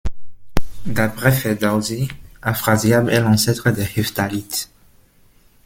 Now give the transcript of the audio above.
D'après Ferdowsi, Afrassiab est l'ancêtre des Hephtalites.